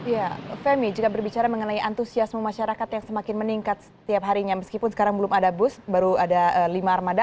ya femi jika berbicara mengenai antusiasme masyarakat yang semakin meningkat setiap harinya meskipun sekarang belum ada bus baru ada lima armada